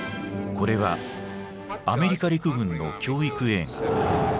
これはアメリカ陸軍の教育映画。